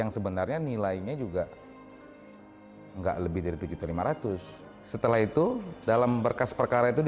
sebenernya yang mereka inginkan